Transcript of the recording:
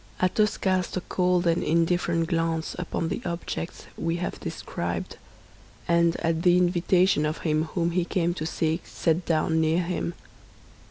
Athos cast a cold and indifferent glance upon the objects we have described, and at the invitation of him whom he came to seek sat down near him.